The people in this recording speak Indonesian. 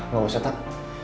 gak usah tak